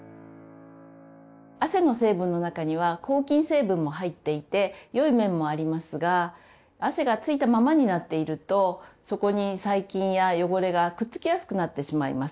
汗の成分の中には抗菌成分も入っていてよい面もありますが汗が付いたままになっているとそこに細菌や汚れがくっつきやすくなってしまいます。